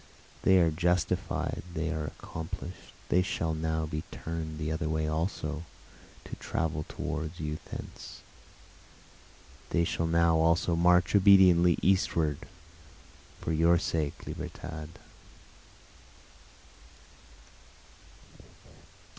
They are justified, they are accomplish'd, they shall now be turn'd the other way also, to travel toward you thence, They shall now also march obediently eastward for your sake Libertad.